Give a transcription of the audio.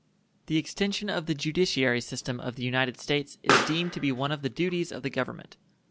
The extension of the judiciary system of the United States is deemed to be one of the duties of the Government.